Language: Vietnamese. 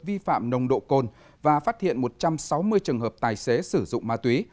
vi phạm nồng độ cồn và phát hiện một trăm sáu mươi trường hợp tài xế sử dụng ma túy